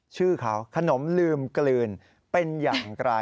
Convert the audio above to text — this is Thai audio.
ชื่อเขาขนมลืมกลืนเป็นอย่างไร